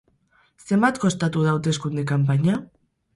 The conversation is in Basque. Zenbat kostatu da hauteskunde kanpaina?